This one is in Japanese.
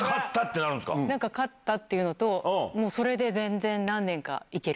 なんか勝ったっていうのと、もうそれで全然何年かいける。